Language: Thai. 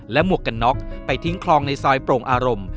หมวกกันน็อกไปทิ้งคลองในซอยโปร่งอารมณ์